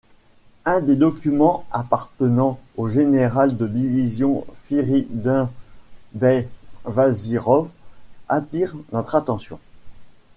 Un des documents appartenant au général de division Firidun bey Vazirov attire notre attention.